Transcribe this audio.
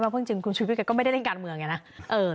เพราะจริงคุณชูวิทย์ก็ไม่ได้เรื่องการเมืองอย่างนี้นะ